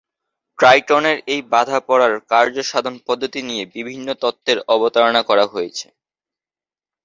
ট্রাইটনের এই বাঁধা পড়ার কার্যসাধন-পদ্ধতি নিয়ে বিভিন্ন তত্ত্বের অবতারণা করা হয়েছে।